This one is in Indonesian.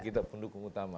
ya kita pendukung utama